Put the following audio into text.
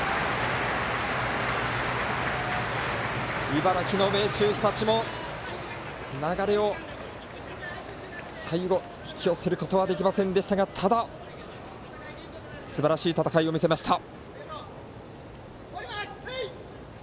茨城、明秀日立も流れを最後、引き寄せることはできませんでしたがただ、すばらしい戦いを見せました。